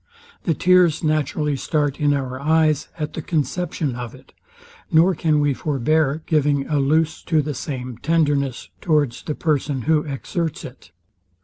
The tears naturally start in our eyes at the conception of it; nor can we forbear giving a loose to the same tenderness towards the person who exerts it.